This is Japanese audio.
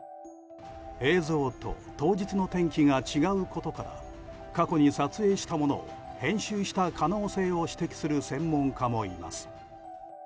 映像と当日の天気が違うことから過去に撮影したものを編集した可能性を指摘する専門家もいます。